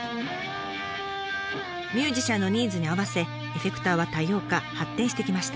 ミュージシャンのニーズに合わせエフェクターは多様化発展してきました。